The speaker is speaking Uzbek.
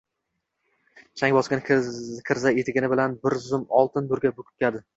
chang bosgan kirza etigini bir zum oltin nurga burkadi.